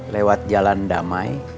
lewat jalan damai